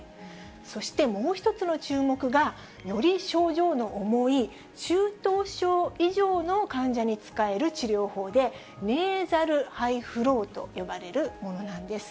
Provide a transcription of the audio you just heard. そしてもう１つの注目が、より症状の重い中等症以上の患者に使える治療法で、ネーザルハイフローと呼ばれるものなんです。